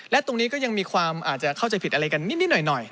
และตรงนี้ก็ยังมีความอาจจะเข้าใจผิดอะไรกันนิดหน่อย